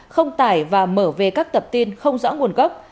không tải và mở về các tập tin không rõ nguồn gốc